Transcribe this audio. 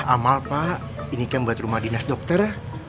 amal pak ini kan buat rumah dinas dokter